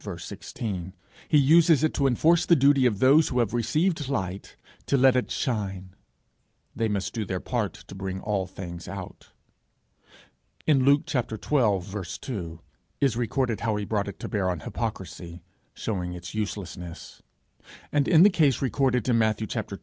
16 he uses it to enforce the duty of those who have received light to let it shine: they must do their part to bring all things out. In Luke xii. 2, is recorded how he brought it to bear on hypocrisy, showing its uselessness; and, in the case recorded in Matthew x.